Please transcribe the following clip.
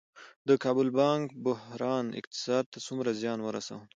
د کابل بانک بحران اقتصاد ته څومره زیان ورساوه؟